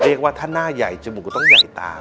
เรียกว่าถ้าหน้าใหญ่จมูกต้องใหญ่ตา